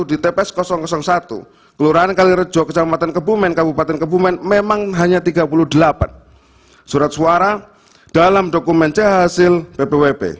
di tps satu kelurahan kalirejo kecamatan kebumen kabupaten kebumen memang hanya tiga puluh delapan surat suara dalam dokumen cahasil ppwp